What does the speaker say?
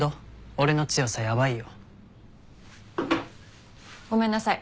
俺の強さやばいよ。ごめんなさい。